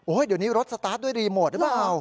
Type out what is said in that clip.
โอ้โฮเดี๋ยวนี้รถสตาร์ทด้วยรีโมทได้เปล่า